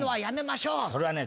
それはね